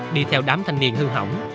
đi theo đám thanh niên hư hỏng